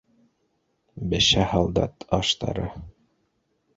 Бешә һалдат аштары...